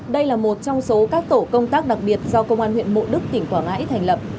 đây là một trong số các tổ công tác đặc biệt do công an huyện mộ đức tỉnh quảng ngãi thành lập